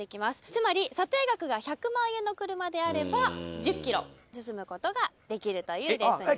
つまり査定額が１００万円の車であれば１０ｋｍ進むことができるというレースになっております